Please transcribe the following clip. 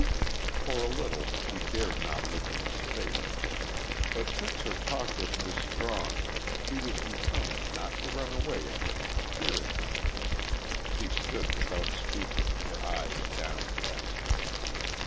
For a little she dared not look in his face. But since her talk with Miss Strong she was determined not to run away again for fear of him. She stood without speaking, her eyes downcast.